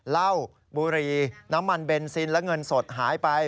เหล้าบุรีน้ำมันเบนซินและเงินสดหายไป